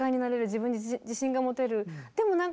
自分に自信が持てる。